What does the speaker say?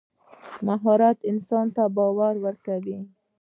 مهارت انسان ته باور ورکوي.